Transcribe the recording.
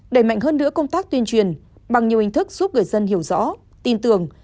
đẩy mạnh hơn nữa công tác tuyên truyền bằng nhiều hình thức giúp người dân hiểu rõ tin tưởng